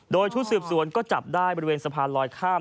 โดยชุดสืบสวนก็จับได้บริเวณสะพานลอยข้าม